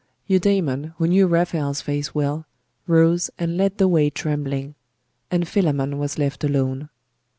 Eudaimon, who knew Raphael's face well, rose and led the way trembling; and Philammon was left alone.